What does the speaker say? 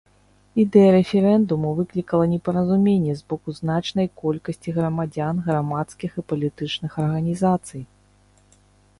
Ідэя рэферэндуму выклікала непаразуменне з боку значнай колькасці грамадзян, грамадскіх і палітычных арганізацый.